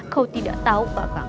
kau tidak tahu